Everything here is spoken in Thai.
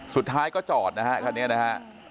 สุดท้ายก็จอดนะฮะคันนี้นะฮะ